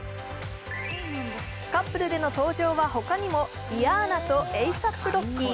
カップルでの登場は他にもリアーナとエイサップ・ロッキー。